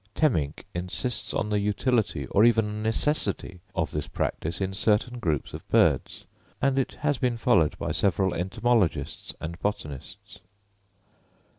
Temminck insists on the utility or even necessity of this practice in certain groups of birds; and it has been followed by several entomologists and botanists.